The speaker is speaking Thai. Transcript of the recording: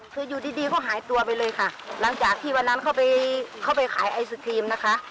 คืออยู่ดีดีเขาหายตัวไปเลยค่ะหลังจากที่วันนั้นเขาไปเข้าไปขายไอศครีมนะคะ